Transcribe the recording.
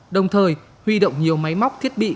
đồng thời huy động nhiều máy móc thiết bị